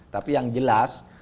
tapi yang jelas